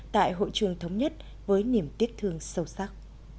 tại hội trường thống nhất với niềm tiếc thương sâu sắc